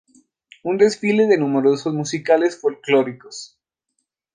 Un desfile de números musicales folclóricos.